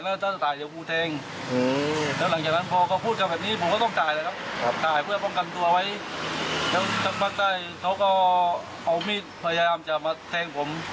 แล้วทางภาคใต้เขาก็เอามีดพยายามจะมาแทงผม